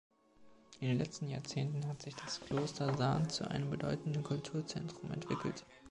In den letzten Jahrzehnten hat sich das Kloster Saarn zu einem bedeutenden Kulturzentrum entwickelt.